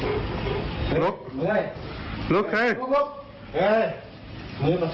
ทำวุ่งก่อนทำวุ่งออกมา